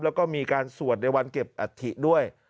แล้วก็มีการสวดในวันเก็บอัฐิด้วย